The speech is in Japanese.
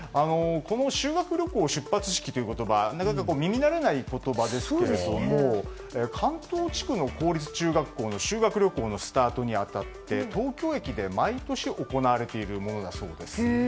この修学旅行出発式という言葉なかなか耳慣れない言葉ですが関東地区の公立中学校の修学旅行のスタートに当たって東京駅で毎年行われているものなんだそうです。